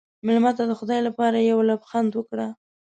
مېلمه ته د خدای لپاره یو لبخند ورکړه.